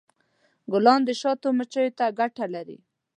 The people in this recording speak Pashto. ګلان د شاتو مچیو ته ګټه لري.